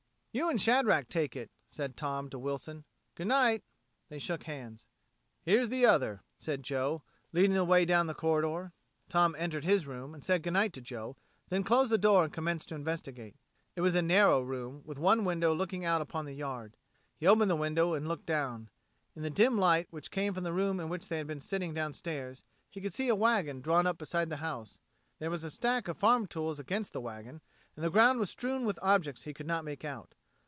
"You and Shadrack take it," said Tom to Wilson. "Good night." They shook hands. "Here's the other," said Joe, leading the way down the corridor. Tom entered his room, said good night to Joe, then closed the door and commenced to investigate. It was a narrow room with one window looking out upon the yard. He opened the window and looked down. In the dim light which came from the room in which they had been sitting downstairs he could see a wagon drawn up beside the house; there was a stack of farm tools against the wagon, and the ground was strewn with objects he could not make out.